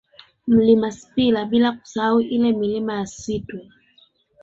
Mlima Sipila bila kusahau ile Milima ya Sitwe